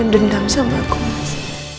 dan dendam sama kumas